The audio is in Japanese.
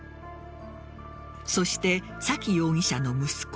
そして、沙喜容疑者の息子